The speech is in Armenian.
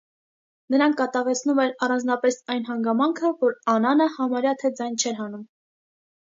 Նրան կատաղեցնում էր առանձնապես այն հանգամանքը, որ Անանը համարյա թե ձայն չէր հանում.